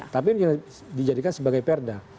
tapi dijadikan sebagai perda